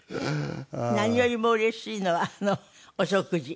何よりもうれしいのはお食事。